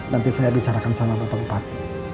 nanti saya bicarakan sama bapak bupati